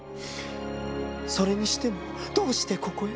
「それにしてもどうしてここへ？